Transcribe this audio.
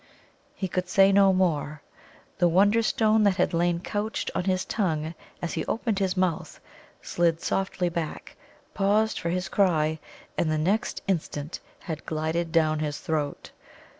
He could say no more. The Wonderstone that had lain couched on his tongue, as he opened his mouth, slid softly back, paused for his cry, and the next instant had glided down his throat.